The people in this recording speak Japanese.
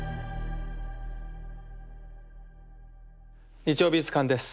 「日曜美術館」です。